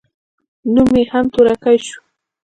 نوم يې هم تورکى سو.